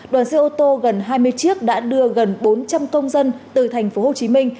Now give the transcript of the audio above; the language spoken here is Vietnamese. đoàn xe ô tô gần hai mươi chiếc đã đưa gần bốn trăm linh công dân từ thành phố hồ chí minh